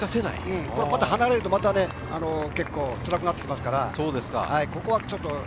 離れるとまた結構辛くなってきますから。